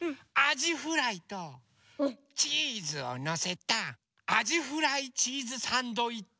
じフライとチーズをのせたあじフライチーズサンドイッチ